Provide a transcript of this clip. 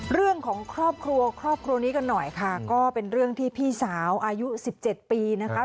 เรื่องของครอบครัวครอบครัวนี้กันหน่อยค่ะก็เป็นเรื่องที่พี่สาวอายุ๑๗ปีนะคะ